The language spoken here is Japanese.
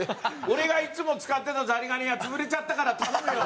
俺がいつも使ってたザリガニ屋潰れちゃったから頼むよ。